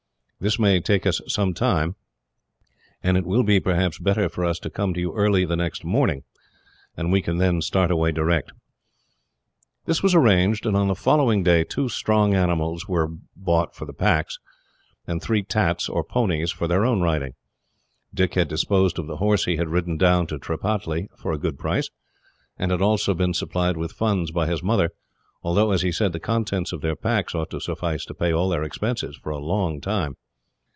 This may take us some time, and it will be, perhaps, better for us to come to you early the next morning, and we can then start away direct." This was arranged, and on the following day, two strong animals were bought for the packs; and three tats, or ponies, for their own riding. Dick had disposed of the horse he had ridden down to Tripataly for a good price, and had also been supplied with funds by his mother, although, as he said, the contents of their packs ought to suffice to pay all their expenses, for a long time.